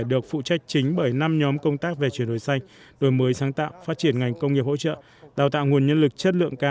được phụ trách chính bởi năm nhóm công tác về chuyển đổi xanh đổi mới sáng tạo phát triển ngành công nghiệp hỗ trợ